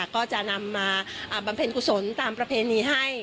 ก็จะนำมาบำเพ็ญกุศลตามประเพณีให้